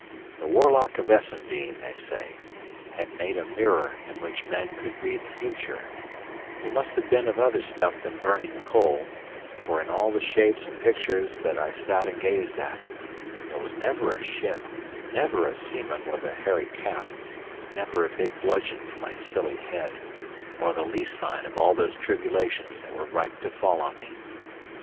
The warlock of Essendean, they say, had made a mirror in which men could read the future; it must have been of other stuff than burning coal; for in all the shapes and pictures that I sat and gazed at, there was never a ship, never a seaman with a hairy cap, never a big bludgeon for my silly head, or the least sign of all those tribulations that were ripe to fall on me.